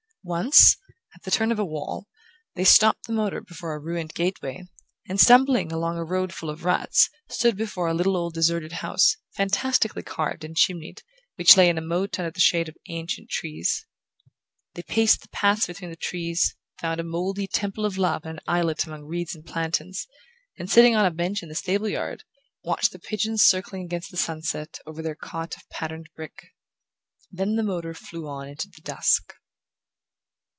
Once, at the turn of a wall, they stopped the motor before a ruined gateway and, stumbling along a road full of ruts, stood before a little old deserted house, fantastically carved and chimneyed, which lay in a moat under the shade of ancient trees. They paced the paths between the trees, found a mouldy Temple of Love on an islet among reeds and plantains, and, sitting on a bench in the stable yard, watched the pigeons circling against the sunset over their cot of patterned brick. Then the motor flew on into the dusk...